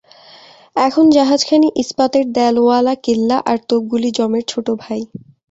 এখন জাহাজখানি ইস্পাতের দ্যালওয়ালা কেল্লা, আর তোপগুলি যমের ছোট ভাই।